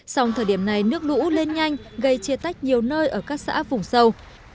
song thời điểm này nước lũ lên nhanh gây chia tách nhiều nơi ở các xã vùng sâu